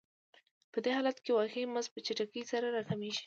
په دې حالت کې واقعي مزد په چټکۍ سره راکمېږي